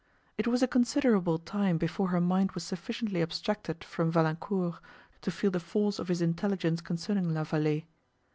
It was a considerable time before her mind was sufficiently abstracted from Valancourt to feel the force of his intelligence concerning La Vallée.